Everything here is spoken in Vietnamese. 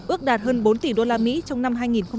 ước đạt hơn bốn tỷ usd trong năm hai nghìn một mươi tám